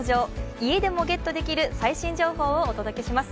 家でもゲットできる最新情報をお伝えします。